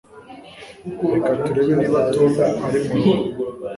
Reka turebe niba Tom ari murugo